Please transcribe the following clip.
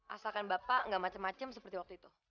asalkan bapak gak macem macem seperti waktu itu